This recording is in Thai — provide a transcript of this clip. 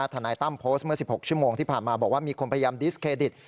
ทนายตั้มโพสต์เมื่อ๑๖ชั่วโมงที่ผ่านมาบอกว่ามีคนพยายามดิสเครดิต